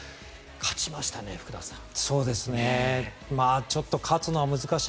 勝ちましたね、福田さん。